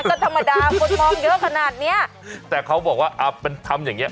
ก็ธรรมดาคนมองเยอะขนาดเนี้ยแต่เขาบอกว่าอ่าเป็นทำอย่างเงี้